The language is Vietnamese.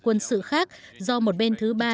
quân sự khác do một bên thứ ba